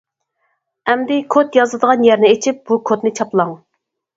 ئەمدى كود يازىدىغان يەرنى ئېچىپ بۇ كودنى چاپلاڭ!